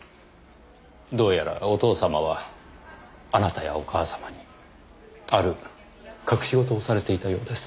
どうやらお父様はあなたやお母様にある隠し事をされていたようです。